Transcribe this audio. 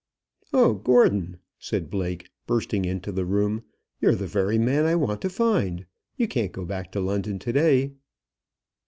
"Oh, Gordon!" said Blake, bursting into the room, "you're the very man I want to find. You can't go back to London to day."